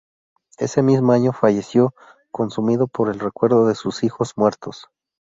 Ese mismo año, falleció, consumido por el recuerdo de sus hijos muertos.